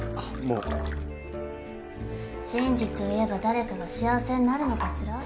真実を言えば誰かが幸せになるのかしら？